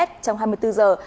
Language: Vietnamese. trong hai mươi bốn giờ